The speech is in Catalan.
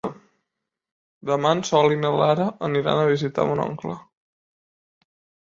Demà en Sol i na Lara aniran a visitar mon oncle.